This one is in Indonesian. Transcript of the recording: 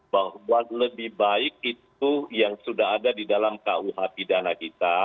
bahwa lebih baik itu yang sudah ada di dalam kuh pidana kita